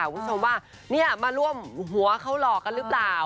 คุณผู้ชมว่ามาร่วมหัวเขาหลอกกันหรือเปล่า